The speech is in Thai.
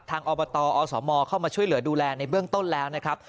อบตอสมเข้ามาช่วยเหลือดูแลในเบื้องต้นแล้วนะครับ